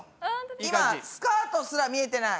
今スカートすら見えてない！